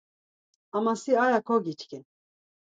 Ama si aya kogiçkin.